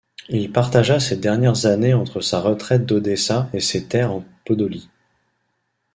Il partagea ses dernières années entre sa retraite d'Odessa et ses terres en Podolie.